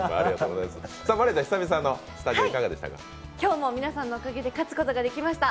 今日も皆さんのおかげで勝つことができました。